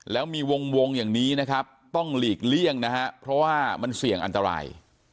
แล้วมีวงอย่างนี้นะครับต้องหลีกเลี่ยงนะฮะเพราะว่ามันเสี่ยงอันตราย